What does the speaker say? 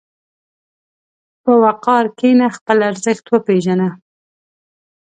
په وقار کښېنه، خپل ارزښت وپېژنه.